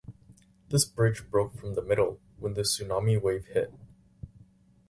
This bridge broke from the middle, when the tsunami wave hit.